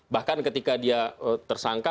bahkan ketika dia tersangka